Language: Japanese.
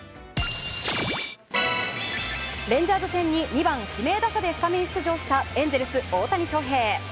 レンジャーズ戦に２番指名打者でスタメン出場したエンゼルス、大谷翔平。